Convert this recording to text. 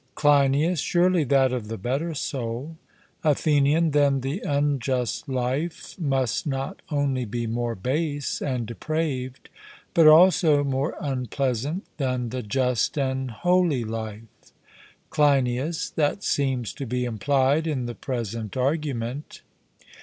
CLEINIAS: Surely, that of the better soul. ATHENIAN: Then the unjust life must not only be more base and depraved, but also more unpleasant than the just and holy life? CLEINIAS: That seems to be implied in the present argument.